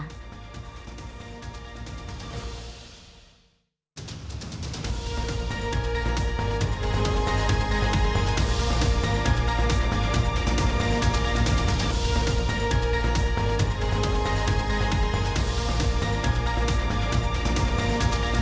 โปรดติดตามตอนต่อไป